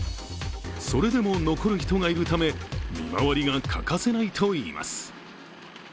それでも残る人がいるため見回りが欠かせないといいます。